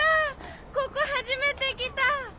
ここ初めて来た！